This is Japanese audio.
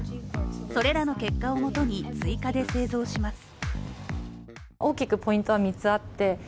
それらの結果を基に追加で製造します。